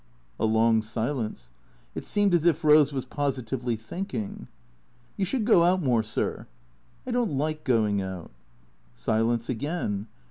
A long silence. It seemed as if Rose was positively thinking. " You should go out more, sir." "I don't like going out." Silence again.